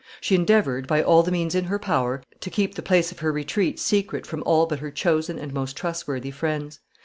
She endeavored, by all the means in her power, to keep the place of her retreat secret from all but her chosen and most trustworthy friends.